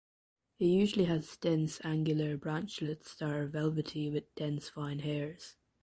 It usually has dense angular branchlets that are velvety with dense fine hairs.